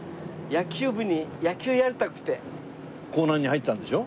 興南に入ったんでしょ？